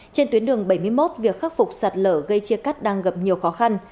trên tuyến đường bảy mươi một việc khắc phục sạt lở gây chia cắt đang gặp nhiều khó khăn